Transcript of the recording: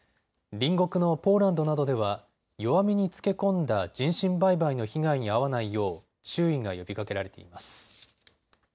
隣国のポーランドなどでは弱みにつけ込んだ人身売買の被害に遭わないよう注意が呼びかけられています。